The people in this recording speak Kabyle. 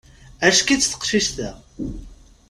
Ack-itt taqcict-a.